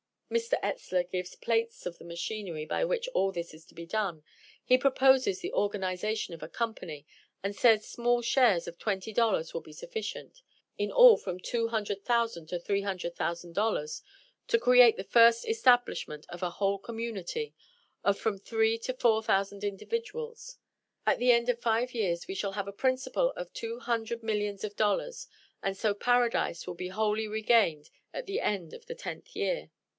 Mr. Etzler gives plates of the machinery by which all this is to be done. He proposes the organization of a company; and says small shares of twenty dollars will be sufficient in all from two hundred thousand to three hundred thousand dollars to create the first establishment for a whole community, of from three to four thousand individuals. "At the end of five years we shall have a principal of two hundred millions of dollars; and so paradise will be wholly regained at the end of the tenth year."